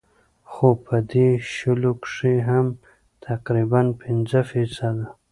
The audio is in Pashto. خو پۀ دې شلو کښې هم تقريباً پنځه فيصده